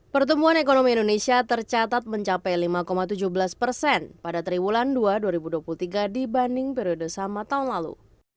pertumbuhan ekonomi indonesia tercatat mencapai lima tujuh belas persen pada triwulan dua dua ribu dua puluh tiga dibanding periode sama tahun lalu